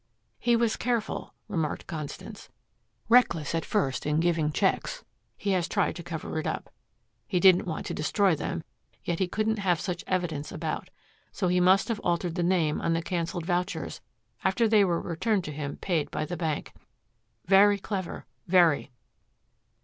"He was careful," remarked Constance. "Reckless at first in giving checks he has tried to cover it up. He didn't want to destroy them, yet he couldn't have such evidence about. So he must have altered the name on the canceled vouchers after they were returned to him paid by the bank. Very clever very."